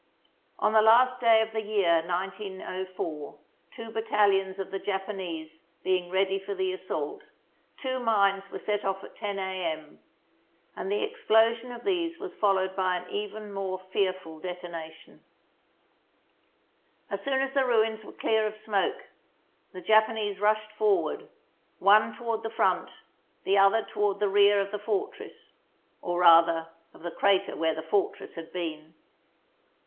On the last day of the year 1904 two battalions of the Japanese being ready for the assault, two mines were set off at 10 a.m., and the explosion of THE SIEGE OF PORT ARTHUR these was followed by an even more fearful detona tion. As soon as the ruins were clear of smoke, the Japanese rushed forward, one toward the front, the other toward the rear of the fortress, or, rather, of the crater where the fortress had been.